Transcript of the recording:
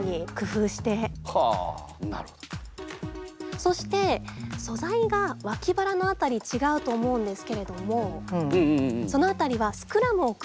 そして素材が脇腹の辺り違うと思うんですけれどもその辺りはこうなりますもんね。